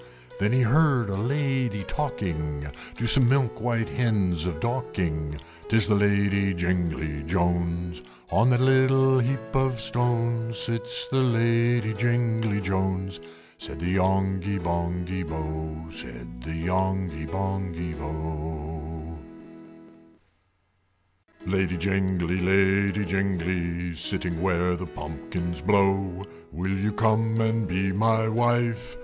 There he heard a Lady talking, To some milk white Hens of Dorking, "'Tis the Lady Jingly Jones! On that little heap of stones Sits the Lady Jingly Jones!" Said the Yonghy Bonghy Bò, Said the Yonghy Bonghy Bò. III. "Lady Jingly! Lady Jingly! Sitting where the pumpkins blow, Will you come and be my wife?"